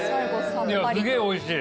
いやすげえおいしい。